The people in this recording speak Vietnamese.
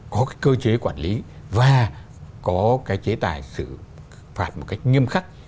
có cái cơ chế quản lý và có cái chế tài xử phạt một cách nghiêm khắc